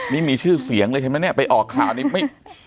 นี่มีชื่อเสียงเลยเห็นไหมเนี่ยไปออกข่าวนี้ไม่